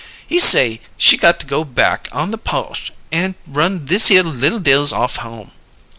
He say she got to go back on the po'che an' run thishere li'l Dills off home.